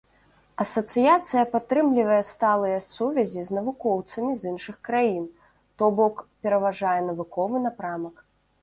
Асацыяцыя падтрымлівае сталыя сувязі з навукоўцамі з іншых краін, то бок пераважае навуковы напрамак.